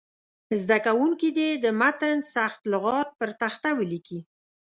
زده کوونکي دې د متن سخت لغات پر تخته ولیکي.